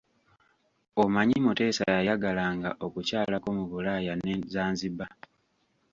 Omanyi Mutesa yayagalanga okukyalako mu Bulaaya n'e Zanzibar.